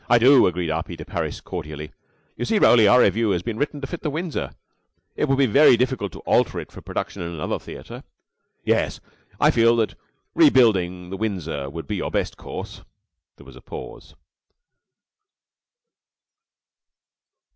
P.?" "I do," agreed R. P. de Parys, cordially. "You see, Roly, our revue has been written to fit the Windsor. It would be very difficult to alter it for production at another theater. Yes, I feel sure that rebuilding the Windsor would be your best course." There was a pause.